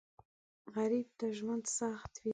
غریب ته ژوند سخت وي